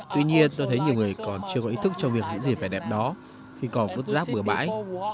tuy nhiên tôi thấy nhiều người còn chưa có ý thức trong việc những gì phải đẹp đó khi còn vứt rác bữa bãi